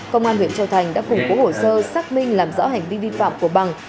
công an huyện châu thành đã củng cố hồ sơ xác minh làm rõ hành vi vi phạm của bằng